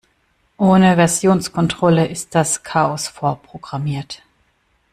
Ohne Versionskontrolle ist das Chaos vorprogrammiert.